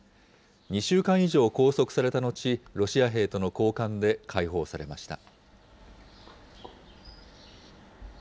２週間以上拘束された後、ロシア兵との交換で解放されました。